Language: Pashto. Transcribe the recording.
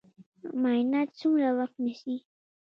معاینات څومره وخت نیسي؟